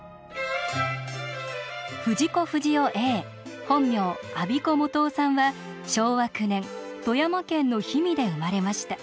藤子不二雄本名安孫子素雄さんは昭和９年富山県の氷見で生まれました。